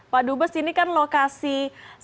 pak dubes ini kan lokasi